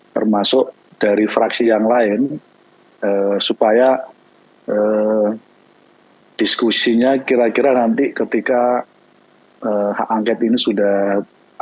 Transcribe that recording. termasuk dari fraksi yang lain supaya diskusinya kira kira nanti ketika hak angket ini sudah berhasil